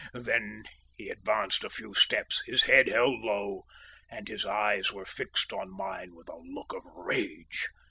Then he advanced a few steps, his head held low; and his eyes were fixed on mine with a look of rage.